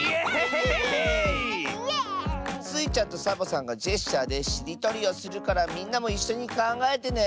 スイちゃんとサボさんがジェスチャーでしりとりをするからみんなもいっしょにかんがえてね！